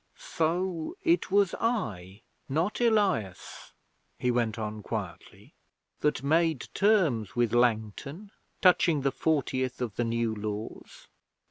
'So it was I, not Elias,' he went on quietly, 'that made terms with Langton touching the fortieth of the New Laws.'